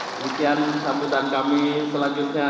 demikian sambutan kami selanjutnya